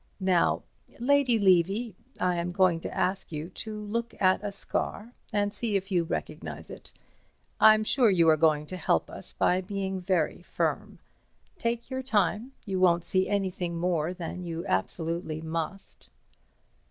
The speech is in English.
Now, Lady Levy—I am going to ask you to look at a scar, and see if you recognize it. I'm sure you are going to help us by being very firm. Take your time—you won't see anything more than you absolutely must."